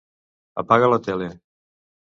Apaga la tele.